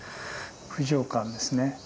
不浄観ですね。